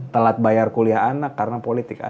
telat bayar kuliah anak karena politik